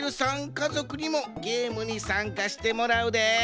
かぞくにもゲームにさんかしてもらうで。